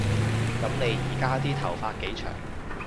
噉你而家啲頭髮幾長